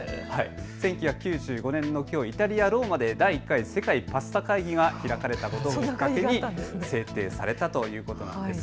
１９９５年の１０月のきょうイタリアのローマで第１回世界パスタ会議が開催されたことから制定されたということです。